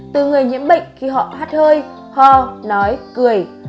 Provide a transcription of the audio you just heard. từ người nhiễm bệnh khi họ hát hơi ho nói cười